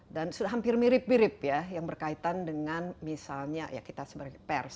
dan sudah hampir mirip mirip ya yang berkaitan dengan misalnya ya kita sebagai pers